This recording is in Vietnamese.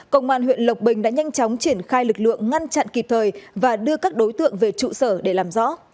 công an huyện lộc bình đã nhanh chóng triển khai lực lượng ngăn chặn kịp thời và đưa các đối tượng về trụ sở để làm rõ